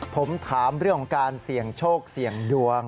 ผมถามเรื่องของการเสี่ยงโชคเสี่ยงดวง